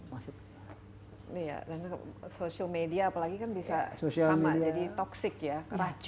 iya dan sosial media apalagi kan bisa sama jadi toxic ya